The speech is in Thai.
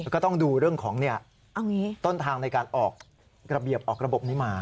ก็ต้องดูเรื่องของต้นทางในการออกระเบียบออกระบบนี้มา